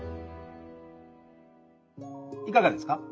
いかがですか？